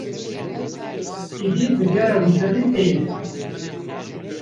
Êdî biryar a wijdanê te ye.